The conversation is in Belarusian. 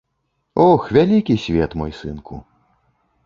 Ох, вялікі свет, мой сынку!